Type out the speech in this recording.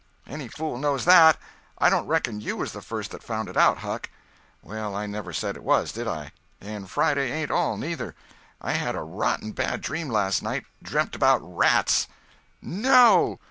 "Any fool knows that. I don't reckon you was the first that found it out, Huck." "Well, I never said I was, did I? And Friday ain't all, neither. I had a rotten bad dream last night—dreampt about rats." "No!